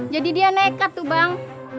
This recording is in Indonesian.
jadi dia nekat tuh bang